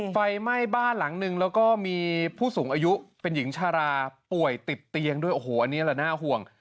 ไฟไหม้บ้านหลังนึงแล้วก็มีผู้สูงอายุเป็นหญิงชาราป่วยติดเตียงด้วยโอ้โหอันนี้แหละน่าห่วง